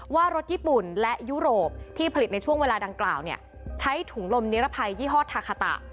ว่ารถญี่ปุ่นและยุโรปที่ผลิตในช่วงเวลาดังกล่าวใช้ถุงลมนิรภัยยี่ห้อทาคาตะ